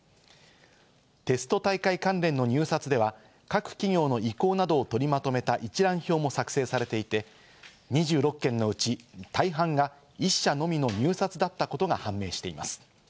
テスト大会関連の入札では、各企業の意向などを取りまとめた一覧表も作成されていて、２６件のうち大半が１社のみの入札だったことが判明しています。